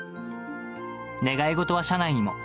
願い事は車内にも。